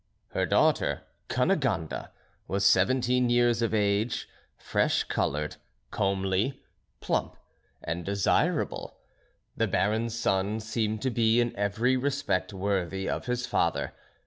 Her daughter Cunegonde was seventeen years of age, fresh coloured, comely, plump, and desirable. The Baron's son seemed to be in every respect worthy of his father.